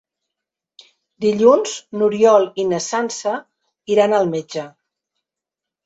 Dilluns n'Oriol i na Sança iran al metge.